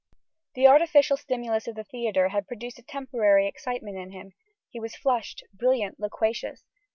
The artificial stimulus of the theatre had produced a temporary excitement in him he was flushed, brilliant, loquacious.